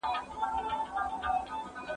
که وخت وي، سينه سپين کوم!